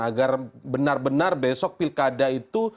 agar benar benar besok pilkada itu